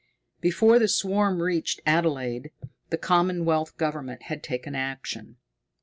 Before the swarm reached Adelaide the Commonwealth Government had taken action.